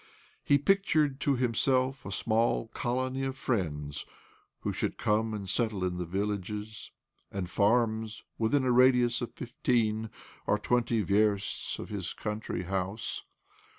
He pictured to himself a small colony of friends who should come and settle in the villages and farms within a radius of fifteen or twenty versts of his country house.